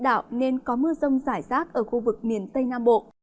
đạo nên có mưa rông rải rác ở khu vực miền tây nam bộ